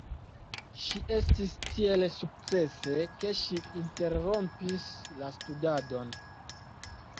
Ŝi estis tiel sukcese, ke ŝi interrompis la studadon.